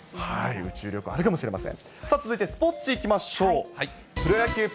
宇宙旅行、あるかもしれません。